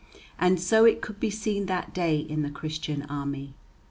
And so it could be seen that day in the Christian army.